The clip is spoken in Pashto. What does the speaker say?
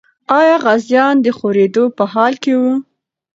آیا غازیان د خورېدو په حال کې وو؟